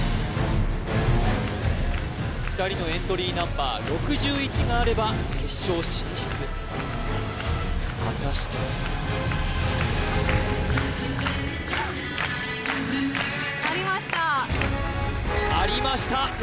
２人のエントリーナンバー６１があれば決勝進出果たしてありましたありました